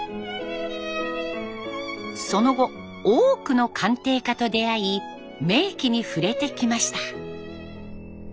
その後多くの鑑定家と出会い名器に触れてきました。